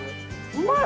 うまい！